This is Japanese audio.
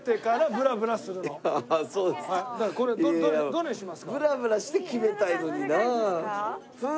ぶらぶらして決めたいのにな。